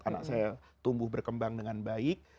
anak saya tumbuh berkembang dengan baik